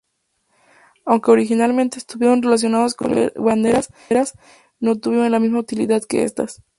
Aunque originalmente estuvieron relacionados con las banderas, no tuvieron la misma utilidad que estas.